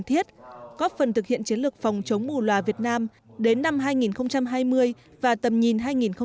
các bệnh nhân có phần thực hiện chiến lược phòng chống mù loà việt nam đến năm hai nghìn hai mươi và tầm nhìn hai nghìn ba mươi